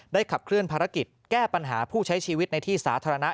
ขับเคลื่อนภารกิจแก้ปัญหาผู้ใช้ชีวิตในที่สาธารณะ